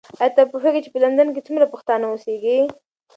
ایا ته پوهېږې چې په لندن کې څومره پښتانه اوسیږي؟